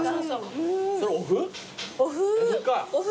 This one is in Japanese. それおふ？